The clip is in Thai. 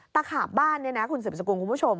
ขาบบ้านเนี่ยนะคุณสืบสกุลคุณผู้ชม